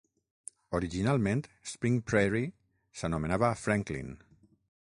Originalment, Spring Prairie s'anomenava Franklin.